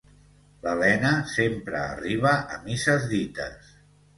L'Elena sempre arriba a misses dites.